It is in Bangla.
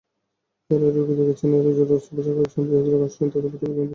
এঁরাই রোগী দেখছেন, এঁরাই জরুরি অস্ত্রোপচার করছেন, ভিআইপিরা আসছেন, তাঁদের প্রটোকলও দিচ্ছেন।